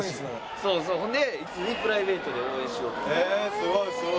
そうそうほんでプライベートで応援しようと思ってええスゴい